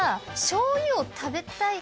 しょうゆが食べたい。